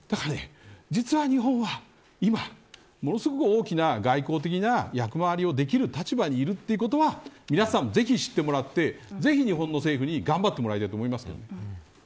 実は日本は今ものすごく大きな外交的な役割をできる立場にいるということを皆さんも、ぜひ知ってもらってぜひ日本の政府に頑張っていただきたいです。